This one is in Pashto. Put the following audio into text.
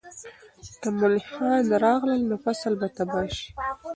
که ملخان راغلل، نو فصل به تباه شي.